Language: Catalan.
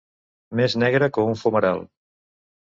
Més negre que un fumeral.